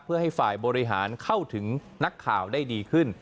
เพื่อให้ฝ่ายบริหารเข้าถึงนักข่าวได้ดีขึ้น